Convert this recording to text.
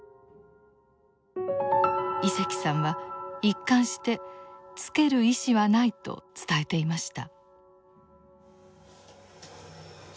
井関さんは一貫してつける意思はないと伝えていました。